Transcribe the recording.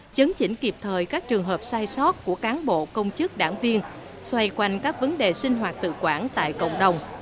chấn chỉnh kịp thời các trường hợp sai sót của cán bộ công chức đảng viên xoay quanh các vấn đề sinh hoạt tự quản tại cộng đồng